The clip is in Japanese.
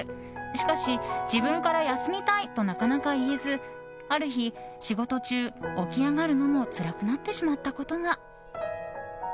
しかし、自分から休みたいとなかなか言えずある日、仕事中、起き上がるのもつらくなってしまったことが。